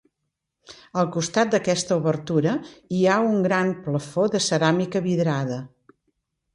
Al costat d'aquesta obertura hi ha un gran plafó de ceràmica vidrada.